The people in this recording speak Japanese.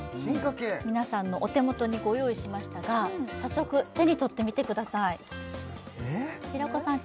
皆さんのお手元にご用意しましたが早速手に取ってみてください平子さん